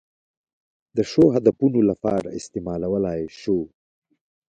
د ښو هدفونو لپاره استعمالولای شو.